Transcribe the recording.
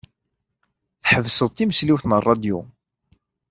Tḥebseḍ timesliwt n ṛṛadyu.